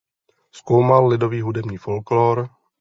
Zkoumal lidový hudební folklór.